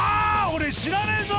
俺知らねえぞ！